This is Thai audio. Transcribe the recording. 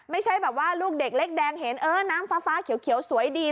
ไม่ใช่แบบว่าลูกเด็กเล็กแดงเห็นเออน้ำฟ้าเขียวสวยดี